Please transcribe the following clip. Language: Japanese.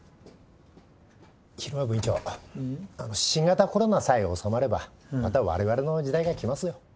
新型コロナさえ収まればまた我々の時代が来ますよ。